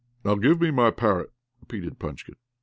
"Now, give me my parrot," repeated Punchkin.